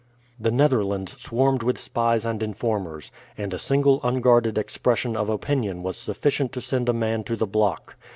The Netherlands swarmed with spies and informers, and a single unguarded expression of opinion was sufficient to send a man to the block.